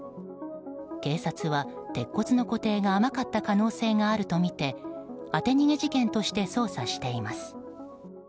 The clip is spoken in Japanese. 警察は鉄骨の固定が甘かった可能性があるとみて当て逃げ事件として捜査しています。